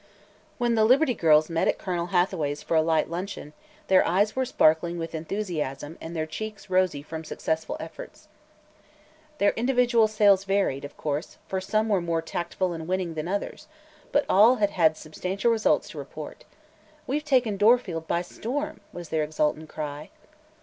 When the Liberty Girls met at Colonel Hathaway's for a light luncheon, their eyes were sparkling with enthusiasm and their cheeks rosy from successful effort. Their individual sales varied, of course, for some were more tactful and winning than others, but all had substantial results to report. "We've taken Dorfield by storm!" was their exultant cry.